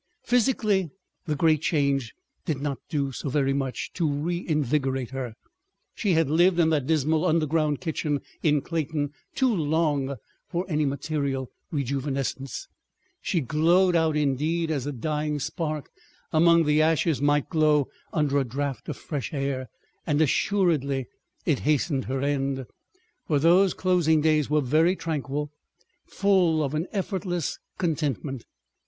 ... Physically the Great Change did not do so very much to reinvigorate her—she had lived in that dismal underground kitchen in Clayton too long for any material rejuvenescence—she glowed out indeed as a dying spark among the ashes might glow under a draught of fresh air—and assuredly it hastened her end. But those closing days were very tranquil, full of an effortless contentment.